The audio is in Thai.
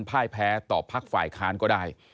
พ่ายแพ้ต่อพักฝ่ายค้านก็ได้